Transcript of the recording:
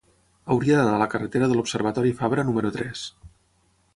Hauria d'anar a la carretera de l'Observatori Fabra número tres.